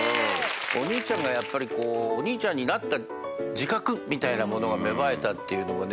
お兄ちゃんがやっぱりお兄ちゃんになった自覚みたいなものが芽生えたっていうのがね